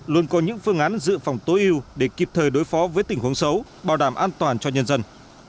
luôn có những phương án dự phòng tối ưu để kịp thời đối phó với tình huống xấu bảo đảm an toàn cho nhân dân